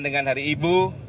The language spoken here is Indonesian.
dengan hari ibu